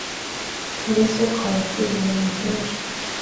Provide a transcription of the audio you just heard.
mbese twaba tuzi ibintu byinshi